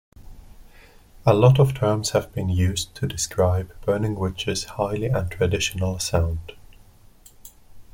A lot of terms have been used to describe Burning Witch's highly untraditional sound.